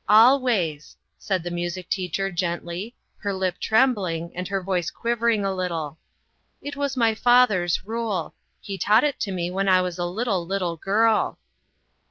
" Always !" said the music teacher, gently, her lip trembling and her voice quivering a little. " It was my father's rule. He taught it to me when I was a little, little girl."